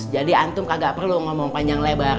jadi antum kagak perlu ngomong panjang lebar